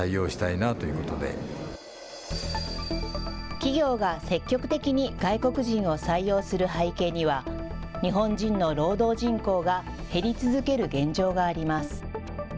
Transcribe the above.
企業が積極的に外国人を採用する背景には日本人の労働人口が減り続ける現状があります。